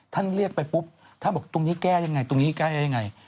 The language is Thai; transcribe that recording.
ท่านเรียกไปปุ๊บท่านบอกตรงนี้แก้ยังไงตรงนี้แก้ได้ยังไง